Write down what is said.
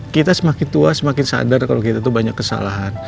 kita semakin tua semakin sadar kalau kita tuh banyak kesalahan